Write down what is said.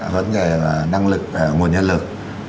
vấn đề là năng lực và nguồn nhân lực